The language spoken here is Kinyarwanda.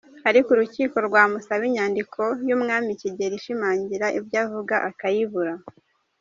Ariko urukiko rwamusaba inyandiko y’Umwami Kigeli ishimangira ibyo avuga akayibura.